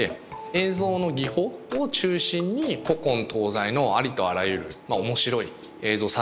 映像の技法を中心に古今東西のありとあらゆる面白い映像作品を見せたり。